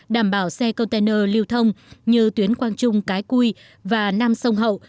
đảm bảo xe container lưu thông như tuyến quang trung cái cui và nam sông hậu